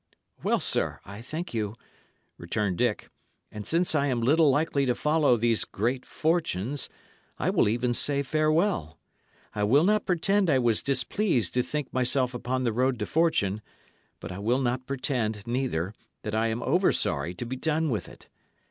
"Well, sir, I thank you," returned Dick; "and since I am little likely to follow these great fortunes, I will even say farewell. I will not pretend I was displeased to think myself upon the road to fortune; but I will not pretend, neither, that I am over sorry to be done with it.